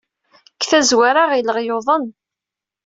Deg tazwara, ɣileɣ yuḍen.